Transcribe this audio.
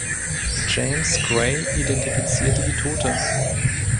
James Gray identifizierte die Tote.